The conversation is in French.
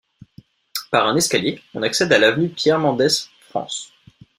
Par un escalier, on accède à l'avenue Pierre-Mendès-France.